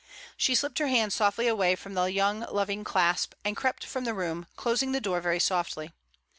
She slipped her hand softly away from the young loving clasp, and crept from the room, closing the door very softly.